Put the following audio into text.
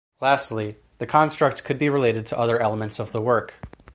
Lastly, the construct could be related to other elements of the work.